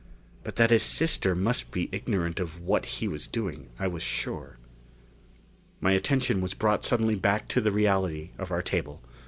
But that his sister must be ignorant of what he was doing, I was sure. My attention was brought suddenly back to the reality of our table.